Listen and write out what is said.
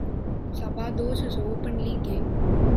Sabados is openly gay.